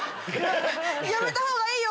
やめたほうがいいよ